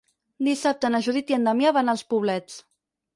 Dissabte na Judit i en Damià van als Poblets.